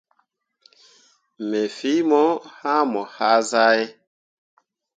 Me fii mo hãã mo hazahe.